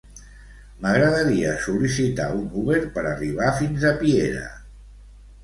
M'agradaria sol·licitar un Uber per arribar fins a Piera.